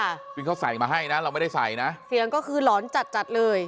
ซึ่งเขาใส่มาให้นะเราไม่ได้ใส่นะเสียงก็คือหลอนจัดจัดเลย